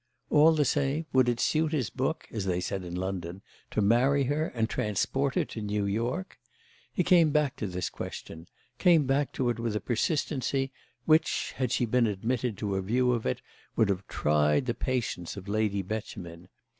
All the same would it suit his book, as they said in London, to marry her and transport her to New York? He came back to this question; came back to it with a persistency which, had she been admitted to a view of it, would have tried the patience of Lady Beauchemin.